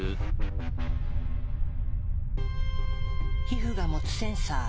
皮膚が持つセンサー。